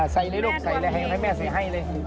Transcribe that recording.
ใส่เลยลูกใส่เลยให้แม่ใส่ให้เลย